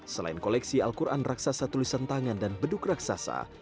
selain koleksi al quran raksasa tulisan tangan dan beduk raksasa